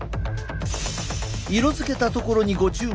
色づけたところにご注目。